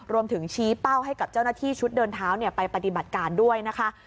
ชี้เป้าให้กับเจ้าหน้าที่ชุดเดินเท้าไปปฏิบัติการด้วยนะคะ